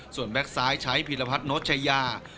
ส่วนแก๊กซ้ายใช้พีรพัฒนชายา